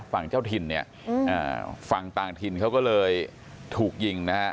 ฝั่งเจ้าถิ่นเนี่ยฝั่งต่างถิ่นเขาก็เลยถูกยิงนะฮะ